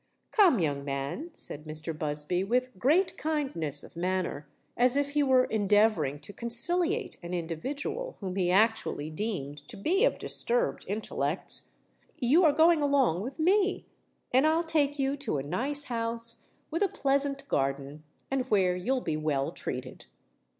"Come, young man," said Mr. Busby, with great kindness of manner, as if he were endeavouring to conciliate an individual whom he actually deemed to be of disturbed intellects; "you are going along with me—and I'll take you to a nice house with a pleasant garden, and where you'll be well treated."